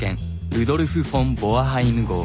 ルドルフ・フォン・ボアハイム号。